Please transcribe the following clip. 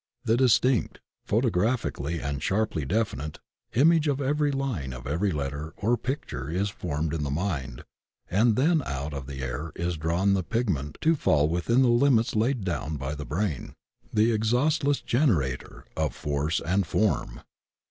The dis tinct — photographically and sharply definite — image of every line of every letter or picture is formed in the mind and then out of the air is drawn the pig ment to fall within the limits laid down by the brain, "the exhaustless generator of force and form."